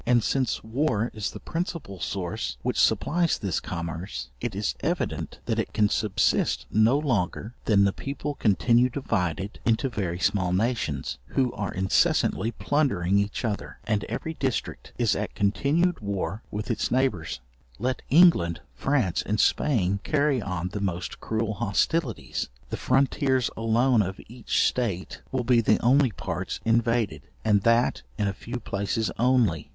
And as war is the principal source which supplies this commerce, it is evident that it can subsist no longer than the people continue divided into very small nations, who are incessantly plundering each other, and every district is at continued war with its neighbours. Let England, France, and Spain carry on the most cruel hostilities, the frontiers alone of each state will be the only parts invaded, and that in a few places only.